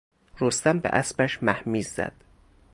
رستم به اسبش مهمیز زد.